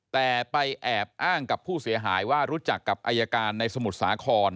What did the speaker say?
แต่ไปแอบอ้างกับผู้เสียหายว่ารู้จักกับอายการในสมุทรสาคร